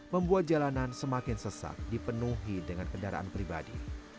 membuat jalanan semakin sesak dipenuhi dengan kendaraan pribadi